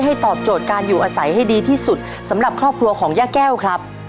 ตอบโจทย์การอยู่อาศัยให้ดีที่สุดสำหรับครอบครัวของย่าแก้วครับ